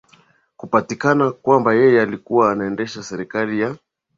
kupatikana kwamba yeye alikuwa anaendesha serikali ya